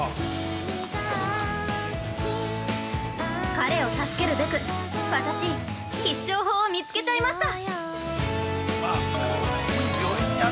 ◆彼を助けるべく、私、必勝法を見つけちゃいました！